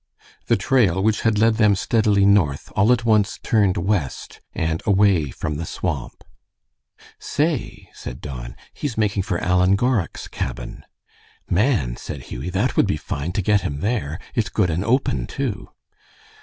The trail, which had led them steadily north, all at once turned west and away from the swamp. "Say," said Don, "he's making for Alan Gorrach's cabin." "Man!" said Hughie, "that would be fine, to get him there. It's good and open, too."